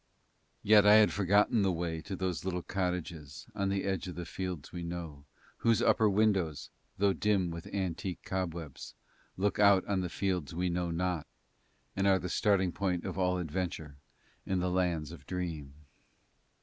Yet I had forgotten the way to those little cottages on the edge of the fields we know whose upper windows, though dim with antique cobwebs, look out on the fields we know not and are the starting point of all adventure in all the Lands of Dream.